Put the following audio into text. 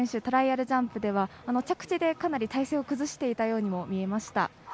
トライアルジャンプで着地でかなり体勢を崩していたようにも見えました。